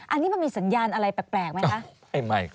อันนี้มันมีสัญญาณอะไรแปลกไหมคะ